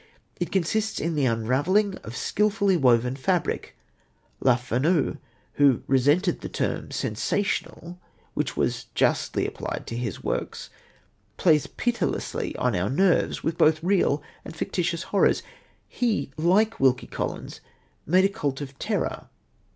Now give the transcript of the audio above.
It consists in the unravelling of a skilfully woven fabric. Le Fanu, who resented the term "sensational" which was justly applied to his works, plays pitilessly on our nerves with both real and fictitious horrors. He, like Wilkie Collins, made a cult of terror.